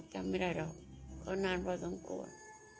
จำไม่ได้หรอกเค้านานเพราะต้องกลัว